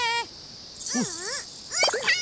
ううーたん！